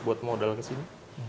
buat modal kesini